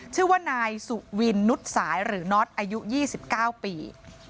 ชื่อว่านายสุวินนุษย์สายหรือน็อตอายุ๒๙ปี